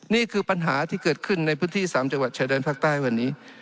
นี่คือปัญหาที่เกิดขึ้นในพื้นที่๓จังหวัดชายแดนภาคใต้วันนี้